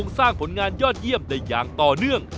สร้างผลงานยอดเยี่ยมได้อย่างต่อเนื่อง